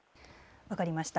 分かりました。